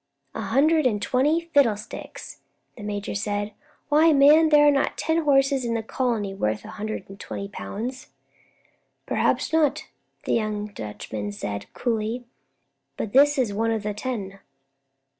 "A hundred and twenty fiddlesticks," the major said. "Why, man, there are not ten horses in the colony worth a hundred and twenty pounds." "Perhaps not," the young Dutchman said, coolly, "but this is one of the ten."